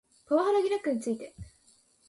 パワハラ疑惑について